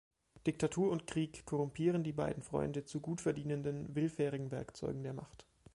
Diktatur und Krieg korrumpieren die beiden Freunde zu gut verdienenden, willfährigen Werkzeugen der Macht.